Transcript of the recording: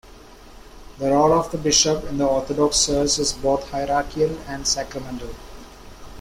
The role of the bishop in the Orthodox Church is both hierarchical and sacramental.